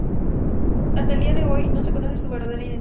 Hasta el día de hoy no se conoce su verdadera identidad.